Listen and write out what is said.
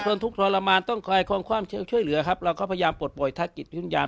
ทุกข์ทรมานต้องคอยความช่วยเหลือครับเราก็พยายามปลดปล่อยทักจิตวิญญาณ